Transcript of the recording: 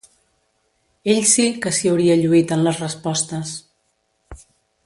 Ell, sí, que s'hi hauria lluit en les respostes